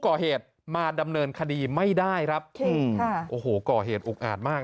ก่อเหตุมาดำเนินคดีไม่ได้ครับค่ะโอ้โหก่อเหตุอุกอาจมาก